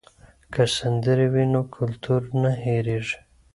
که سندرې وي نو کلتور نه هېریږي.